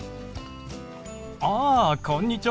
ああこんにちは。